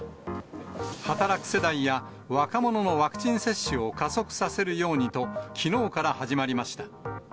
働く世代や若者のワクチン接種を加速させるようにと、きのうから始まりました。